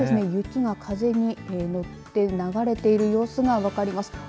雪が風に乗って流れている様子が分かります。